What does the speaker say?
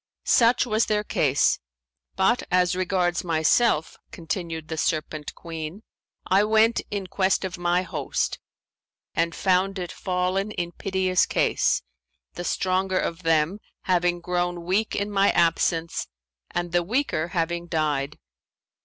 Such was their case; but as regards myself" (continued the Serpent queen) "I went in quest of my host and found it fallen in piteous case, the stronger of them having grown weak in my absence and the weaker having died.